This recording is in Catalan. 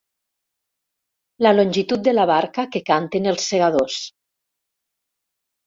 La longitud de la barca que canten els segadors.